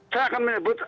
saya akan menyebut